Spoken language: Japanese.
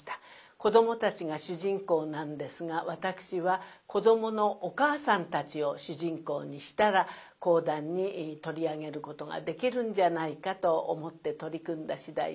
子どもたちが主人公なんですが私は子どものお母さんたちを主人公にしたら講談に取り上げることができるんじゃないかと思って取り組んだ次第です。